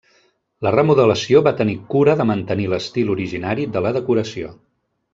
La remodelació va tenir cura de mantenir l'estil originari de la decoració.